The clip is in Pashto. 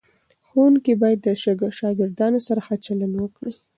ښوونکي باید له شاګردانو سره ښه چلند وکړي.